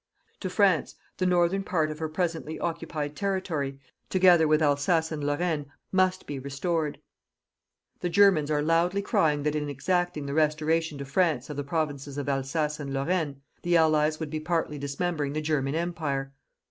To France, the northern part of her presently occupied territory, together with Alsace and Lorraine, MUST be restored. The Germans are loudly crying that in exacting the restoration to France of the provinces of Alsace and Lorraine, the Allies would be partly dismembering the German Empire.